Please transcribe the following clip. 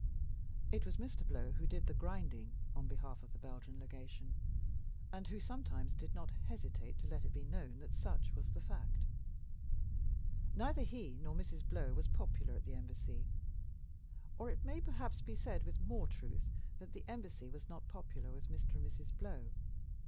It was Mr. Blow who did the "grinding" on behalf of the Belgian Legation, and who sometimes did not hesitate to let it be known that such was the fact. Neither he nor Mrs. Blow was popular at the Embassy; or it may, perhaps, be said with more truth that the Embassy was not popular with Mr. and Mrs. Blow.